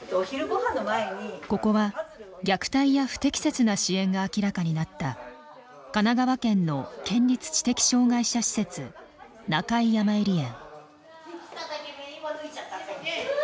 ここは虐待や不適切な支援が明らかになった神奈川県の県立知的障害者施設中井やまゆり園。